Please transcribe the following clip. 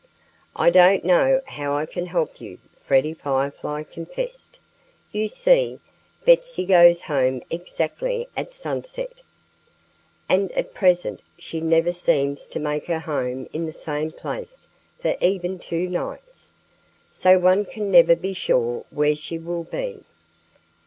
"I don't know how I can help you," Freddie Firefly confessed. "You see, Betsy goes home exactly at sunset. And at present she never seems to make her home in the same place for even two nights. So one can never be sure where she will be.